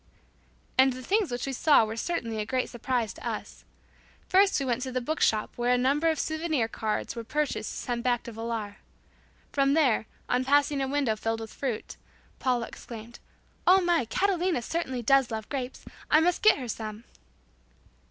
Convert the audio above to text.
And the "things" which we "saw" were certainly a great surprise to us. First we went to the book shop where a number of souvenir cards were purchased to send back to Villar. From there, on passing a window filled with fruit, Paula exclaimed, "Oh, my, Catalina certainly does love grapes. I must get her some."